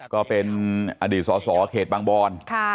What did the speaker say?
ก็เป็นอดีตกว่าส๙๔เขตบางบอลปะ